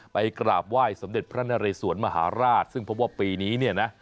ไปกราบไหว้สมเด็จพระนเรสวนมหาราชซึ่งพบว่าปีนี้เนี่ยนะ